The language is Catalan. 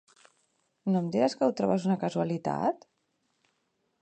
No em diràs que ho trobes una casualitat?